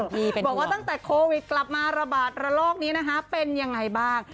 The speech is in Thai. บอกว่าตั้งแต่โควิด๑๙กลับมาระบาดระโลกนี้เป็นอย่างไรบ้าง